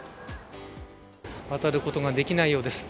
渡ることができないようです。